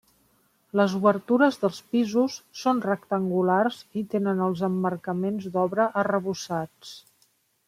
Les obertures dels pisos són rectangulars i tenen els emmarcaments d'obra arrebossats.